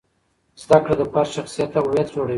زده کړه د فرد شخصیت او هویت جوړوي.